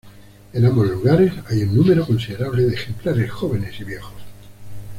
En ambos lugares, hay un número considerable de ejemplares jóvenes y viejos.